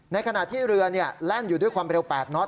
ในขณะที่เรือแล่นอยู่ด้วยความเร็ว๘น็อ